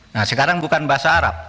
nah sekarang bukan bahasa arab